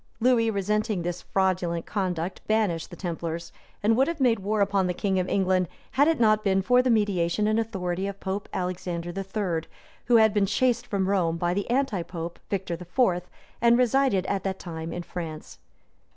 } Lewis, resenting this fraudulent conduct, banished the templars, and would have made war upon the king of England, had it not been for the mediation and authority of Pope Alexander III., who had been chased from Rome by the antipope, Victor IV., and resided at that time in France.